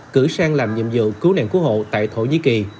cử sang làm nhiệm vụ cứu nạn cứu hộ tại thổ nhĩ kỳ